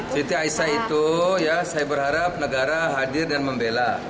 siti aisyah itu saya berharap negara hadir dan membela